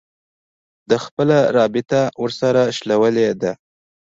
ده خپله رابطه ورسره شلولې ده